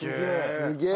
すげえ！